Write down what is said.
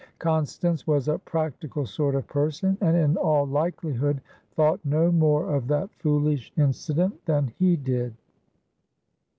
Constance was a practical sort of person, and in all likelihood thought no more of that foolish incident than he did.